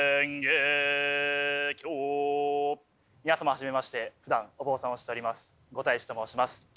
皆様初めましてふだんお坊さんをしております